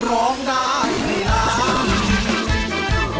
ร้องได้ให้ล้าน